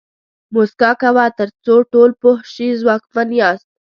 موسکا کوه تر څو ټول پوه شي ځواکمن یاست.